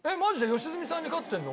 良純さんに勝ってるの？